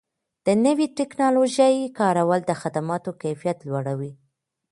د نوې ټکنالوژۍ کارول د خدماتو کیفیت لوړوي.